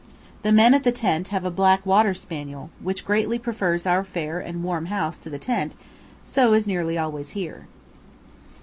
The men at the tent have a black water spaniel, which greatly prefers our fare and warm house to the tent, so is nearly always here.